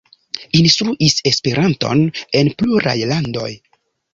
Instruis Esperanton en pluraj landoj.